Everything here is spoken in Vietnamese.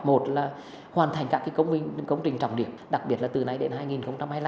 một là hoàn thành các công trình trọng điểm đặc biệt là từ nay đến hai nghìn hai mươi năm